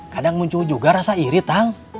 kadang muncul juga rasa iri tang